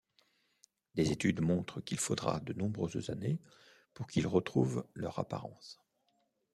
Des études montrent qu'il faudra de nombreuses années pour qu'ils retrouvent leur apparence.